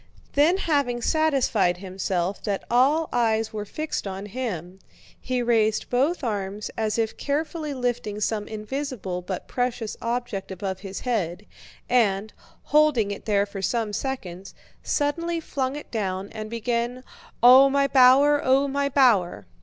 Then having satisfied himself that all eyes were fixed on him, he raised both arms as if carefully lifting some invisible but precious object above his head and, holding it there for some seconds, suddenly flung it down and began: "Oh, my bower, oh, my bower...!"